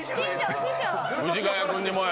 藤ヶ谷君にもや。